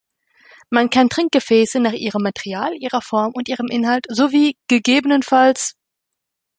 Man kann Trinkgefäße nach ihrem Material, ihrer Form und ihrem Inhalt sowie ggf.